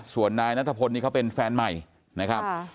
ส่วนนายนัทพลนี่เขาเป็นแฟนใหม่นะครับ